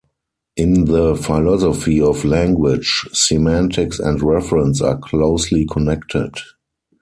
In the philosophy of language, semantics and reference are closely connected.